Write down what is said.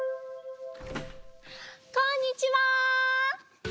こんにちは！